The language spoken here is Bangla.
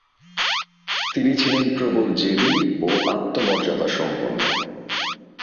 তিনি ছিলেন প্রবল জেদী ও আত্মমর্যাদা সম্পন্ন।